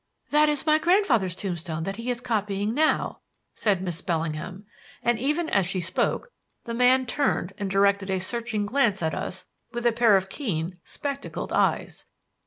"That is my grandfather's tombstone that he is copying now," said Miss Bellingham; and even as she spoke, the man turned and directed a searching glance at us with a pair of keen, spectacled eyes.